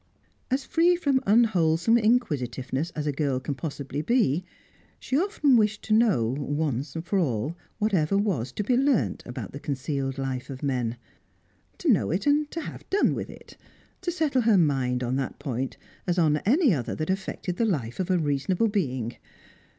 As free from unwholesome inquisitiveness as a girl can possibly be, she often wished to know, once for all, whatever was to be learnt about the concealed life of men; to know it and to have done with it; to settle her mind on that point, as on any other that affected the life of a reasonable being.